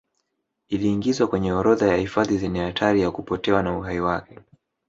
Iliingizwa kwenye orodha ya hifadhi zenye hatari ya kupotewa na uhai wake